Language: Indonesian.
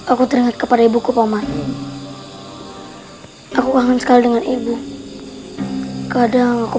aku akan membuatmu semakin tergantung padaku